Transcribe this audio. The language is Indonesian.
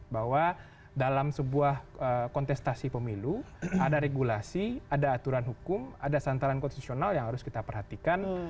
bahwa dalam sebuah kontestasi pemilu ada regulasi ada aturan hukum ada santaran konstitusional yang harus kita perhatikan